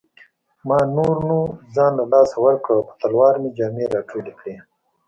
ما نور نو ځان له لاسه ورکړ او په تلوار مې جامې راټولې کړې.